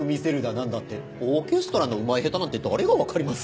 なんだってオーケストラのうまい下手なんて誰が分かります？